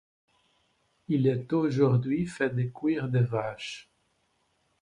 Il est aujourd'hui fait de cuir de vache.